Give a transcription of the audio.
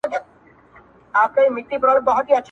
• خو ژر څرګنديږي چي قرباني يوازي نجلۍ نه ده بلکي نور هم سوځي,